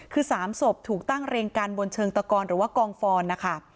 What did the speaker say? คือ๓ศพถูกตั้งเรียงกันบนเชิงตะกอนหรือว่ากองฟอนนะคะ